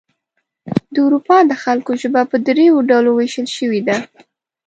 د اروپا د خلکو ژبه په دریو ډلو ویشل شوې ده.